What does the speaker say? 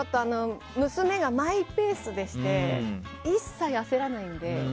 娘がマイペースでして一切焦らないので。